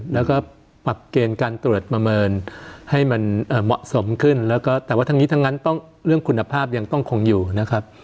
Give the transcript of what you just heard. แล้วก็ปรับเกณฑ์การตรวจประเมินให้มันเหมาะสมขึ้นแล้วก็แต่ว่าทั้งนี้ทั้งนั้นต้องเรื่องคุณภาพยังต้องคงอยู่นะครับ